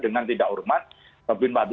dengan tidak hormat robin empat puluh tujuh